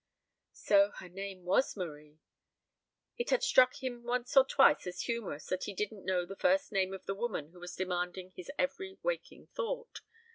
So her name was Marie. It had struck him once or twice as humorous that he didn't know the first name of the woman who was demanding his every waking thought.